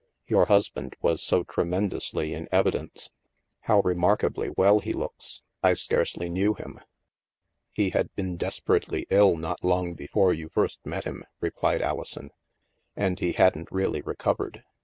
Yotu* husband was so tremendously in evidence. THE MAELSTROM 257 How remarkably well he looks. I scarcely knew him." " He had been desperately ill not long before you first met him," replied Alison, " and he hadn't really recovered.